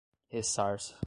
ressarça